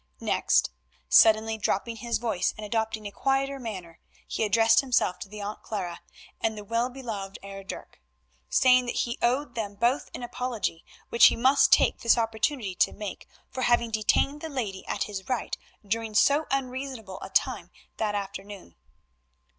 Next, suddenly dropping his voice and adopting a quieter manner, he addressed himself to the Aunt Clara and the "well beloved Heer Dirk," saying that he owed them both an apology, which he must take this opportunity to make, for having detained the lady at his right during so unreasonable a time that afternoon.